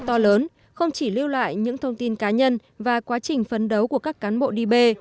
to lớn không chỉ lưu lại những thông tin cá nhân và quá trình phấn đấu của các cán bộ đi bê